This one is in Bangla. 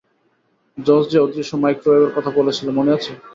জশ যে অদৃশ্য মাইক্রোওয়েভের কথা বলেছিল, মনে আছে?